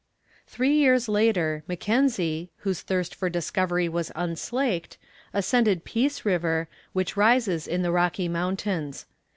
Three years later Mackenzie, whose thirst for discovery was unslaked, ascended Peace River, which rises in the Rocky Mountains.